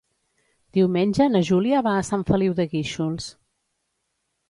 Diumenge na Júlia va a Sant Feliu de Guíxols.